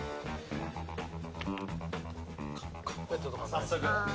早速。